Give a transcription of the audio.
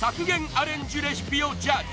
アレンジレシピをジャッジ。